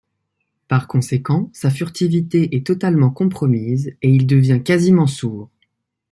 Par conséquent sa furtivité est totalement compromise, et il devient quasiment sourd.